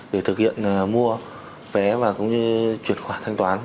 để thực hiện mua vé và cũng như chuyển khoản thanh toán